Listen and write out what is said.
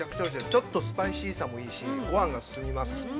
ちょっとスパイシーさもいいですし、ごはんが進みます。